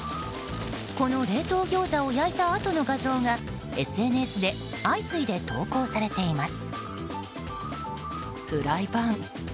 この冷凍ギョーザを焼いたあとの画像がＳＮＳで相次いで投稿されています。